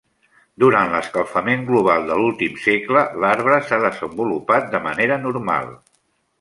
Durant l'escalfament global de l'últim segle, l'arbre s'ha desenvolupat de manera normal.